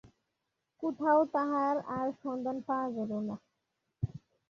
কোথাও তাহার আর সন্ধান পাওয়া গেল না।